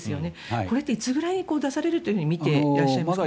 これっていつぐらいに出されると見ていらっしゃいますか？